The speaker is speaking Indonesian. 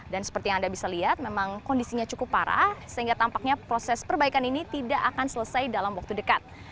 dan seperti yang anda bisa lihat memang kondisinya cukup parah sehingga tampaknya proses perbaikan ini tidak akan selesai dalam waktu dekat